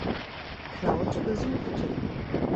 Cloud besuchte.